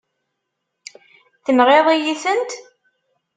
Tenɣiḍ-iyi-tent.